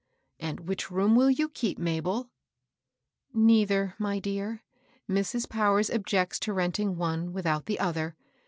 " And which room will you keep, Mabel ?"Neither, my dear. Mrs. Powers objects to rent ing one without the other.